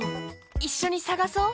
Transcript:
いっしょにさがそう。